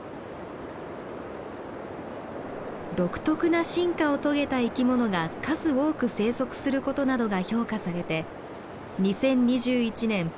独特な進化を遂げた生きものが数多く生息することなどが評価されて２０２１年世界自然遺産に登録されました。